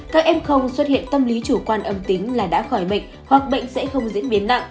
các f xuất hiện tâm lý chủ quan âm tính là đã khỏi bệnh hoặc bệnh sẽ không diễn biến nặng